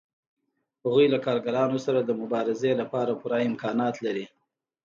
هغوی له کارګرانو سره د مبارزې لپاره پوره امکانات لري